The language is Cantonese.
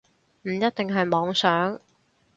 唔一定係妄想